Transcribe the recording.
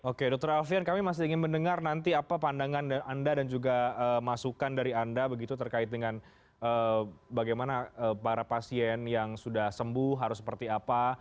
oke dokter alfian kami masih ingin mendengar nanti apa pandangan anda dan juga masukan dari anda begitu terkait dengan bagaimana para pasien yang sudah sembuh harus seperti apa